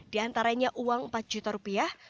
diantaranya uang empat juta rupiah